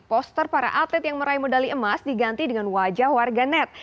poster para atlet yang meraih medali emas diganti dengan wajah warganet